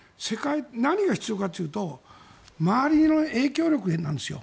何が必要かというと周りの影響力なんですよ。